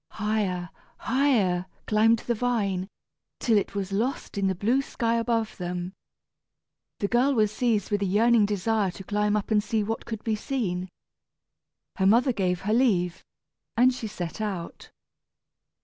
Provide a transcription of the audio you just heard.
Higher, higher climbed the vine, till it was lost in the blue sky above them. The girl was seized with a yearning desire to climb up and see what could be seen. Her mother gave her leave, and she set out.